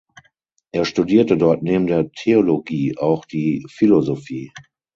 Er studierte dort neben der Theologie auch die Philosophie.